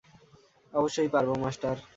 অবশ্যই পারব, মাস্টার।